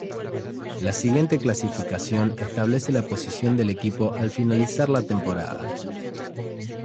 La siguiente clasificación establece la posición del equipo al finalizar la temporada.